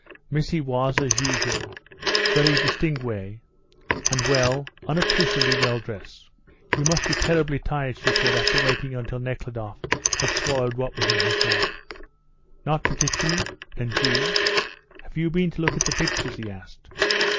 Missy was, as usual, very distinguee, and well, unobtrusively well, dressed. "You must be terribly tired," she said, after waiting until Nekhludoff had swallowed what was in his mouth. "Not particularly. And you? Have you been to look at the pictures?" he asked.